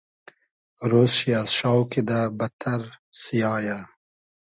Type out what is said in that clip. رۉز شی از شاو کیدۂ بئدتئر سیایۂ